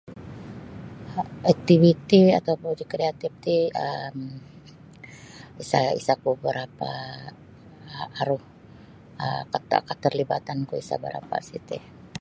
Iktiviti atau projik kreatif ti um isa oku berapa aru um keterlibatanku isa berapa siti.